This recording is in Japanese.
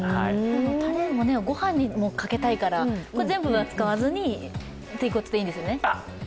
たれもご飯にもかけたいから、全部は使わずにということでいいんですよね？